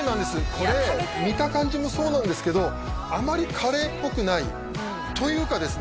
これ見た感じもそうなんですけどあまりカレーっぽくないというかですね